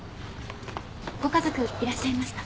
ご家族いらっしゃいました。